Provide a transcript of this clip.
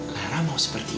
lara mau seperti itu